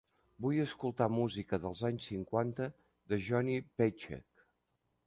Vull escoltar música dels anys cinquanta de Johnny Paycheck.